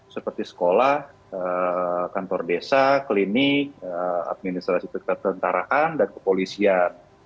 seperti sekolah kantor desa klinik administrasi ketentaraan dan kepolisian